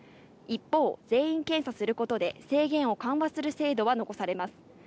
一方、全員検査することで制限を緩和する制度は残されます。